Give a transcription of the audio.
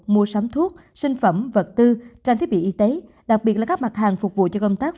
mua sắm thuốc sinh phẩm vật tư trang thiết bị y tế đặc biệt là các mặt hàng phục vụ cho công tác